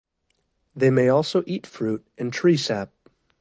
They may also eat fruit and tree sap.